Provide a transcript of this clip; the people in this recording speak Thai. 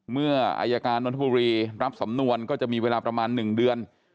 เมื่ออายการนทบุรีรับสำนวนก็จะมีเวลาประมาณ๑เดือน